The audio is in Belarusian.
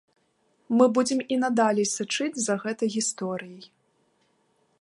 Мы будзем і надалей сачыць за гэтай гісторыяй.